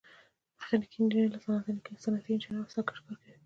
میخانیکي انجینران له صنعتي انجینرانو سره ګډ کار کوي.